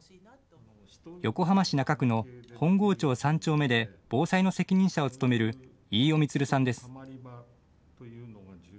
横浜市中区の本郷町３丁目で防災の責任者を務める飯尾滿さんです。